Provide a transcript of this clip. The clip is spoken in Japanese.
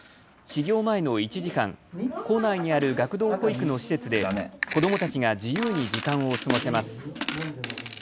始業前の１時間、構内にある学童保育の施設で子どもたちが自由に時間を過ごせます。